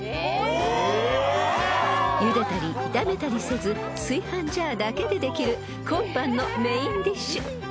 ［ゆでたり炒めたりせず炊飯ジャーだけでできる今晩のメインディッシュ］